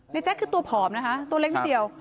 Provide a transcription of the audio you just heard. แจ๊คคือตัวผอมนะคะตัวเล็กนิดเดียว